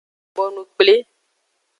Bonu kpli.